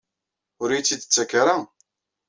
Ur iyi-tt-id-tettak ara?